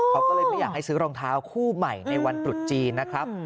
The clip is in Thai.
เขาก็เลยไม่อยากให้ซื้อรองเท้าคู่ใหม่ในวันตรุษจีนนะครับ